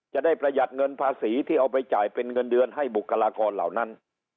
ประหยัดเงินภาษีที่เอาไปจ่ายเป็นเงินเดือนให้บุคลากรเหล่านั้น